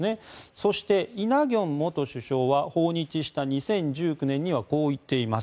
そして、イ・ナギョン元首相は訪日した２０１９年にはこう言っています。